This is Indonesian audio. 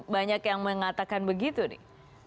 banyak yang mengatakan begitu nih